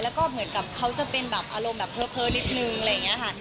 แล้วก็เหมือนกับเขาจะเป็นแบบอารมณ์แบบเพ้อนิดนึงอะไรอย่างนี้ค่ะ